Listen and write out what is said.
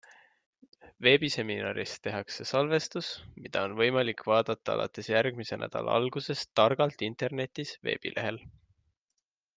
Veebiseminarist tehakse salvestus, mida on võimalik vaadata alates järgmise nädala algusest Targalt internetis veebilehel.